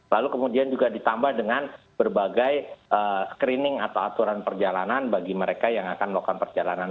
lalu kemudian juga ditambah dengan berbagai screening atau aturan perjalanan bagi mereka yang akan melakukan perjalanan